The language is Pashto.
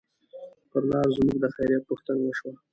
پر لار زموږ د خیریت پوښتنه وشوه.